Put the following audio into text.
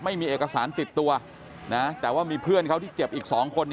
ไม่มีเอกสารติดตัวแต่ว่ามีเพื่อนเขาที่เจ็บอีก๒คน